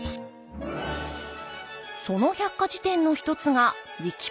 その百科事典の一つがウィキペディア。